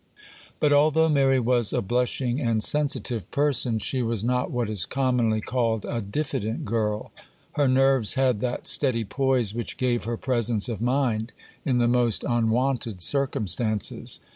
But although Mary was a blushing and sensitive person, she was not what is commonly called a diffident girl: her nerves had that steady poise which gave her presence of mind in the most unwonted circumstances.